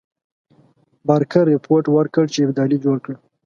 بارکر رپوټ ورکړ چې ابدالي جوړه کړې.